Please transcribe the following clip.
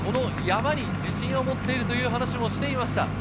山に自信を持っていると話していました。